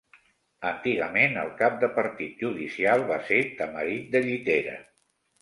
Antigament el cap de partit judicial va ser Tamarit de Llitera.